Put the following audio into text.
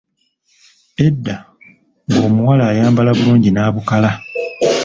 Edda ng'omuwala ayambala bulungi nabukala.